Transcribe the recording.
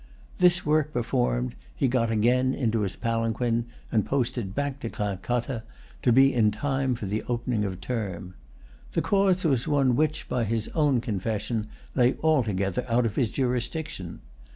This work performed, he got again into his palanquin, and posted back to Calcutta, to be in time for the opening of term. The cause was one which, by his own confession, lay altogether out of his jurisdiction.